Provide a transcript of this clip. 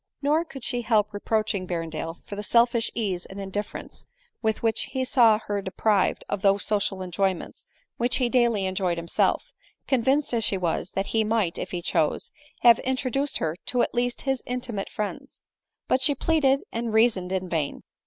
Nor could she help reproaching Ber rendale for the selfish ease and indifference with which he saw her deprived of those social enjoyments which he daily enjoyed himself, convinced as she was that he might, if he chose, have introduced her at least to his intimate friends. But she pleaded and reasoned in vain.